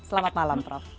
selamat malam prof